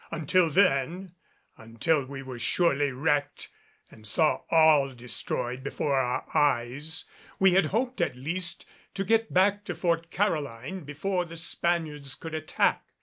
Until then until we were surely wrecked and saw all destroyed before our eyes, we had hoped at least to get back to Fort Caroline before the Spaniards could attack.